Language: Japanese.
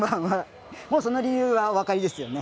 もうその理由はお分かりですよね